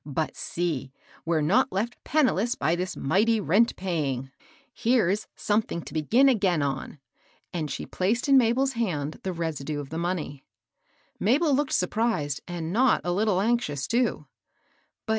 "But seel we're not left penniless by this mighty rent paying: here's something to begin again on;" and she placed in Mabel's hand the residue of the money. Mabel looked surprised, and not a little anxious, too.